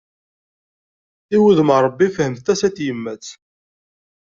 I wudem n Rebbi, fehmet tasa n tyemmat.